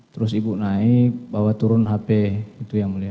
terus ibu naik bawa turun hp itu yang mulia